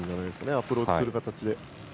アプローチする形で。